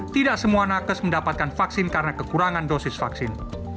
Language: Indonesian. tidak semua nakes mendapatkan vaksin karena kekurangan dosis vaksin